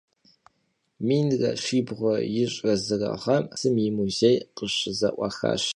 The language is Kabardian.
Minre şibğure yiş're zıre ğem Xarkov khalem Psım yi muzêy khışıze'uaxaş.